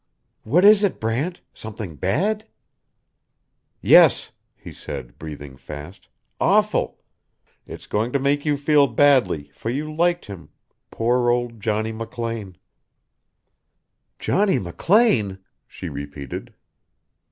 "What is it, Brant? Something bad?" "Yes," he said, breathing fast. "Awful. It's going to make you feel badly, for you liked him poor old Johnny McLean." "Johnny McLean?" she repeated.